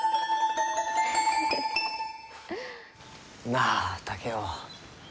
なあ竹雄。